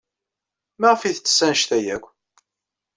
Maɣef ay yettess anect-a akk?